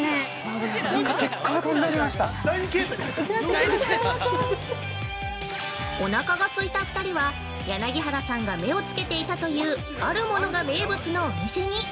◆おなかが空いた２人は柳原さんが目をつけていたというあるのが名物のお店に。